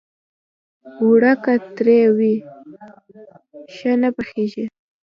اوړه که ترۍ وي، ښه نه پخېږي